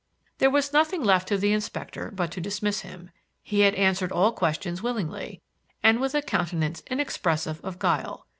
There was nothing left to the Inspector but to dismiss him. He had answered all questions willingly, and with a countenance inexpressive of guile.